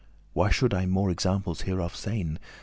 Why should I more examples hereof sayn?